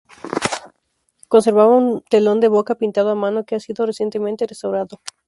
Conservaba un telón de boca pintado a mano que ha sido recientemente restaurado.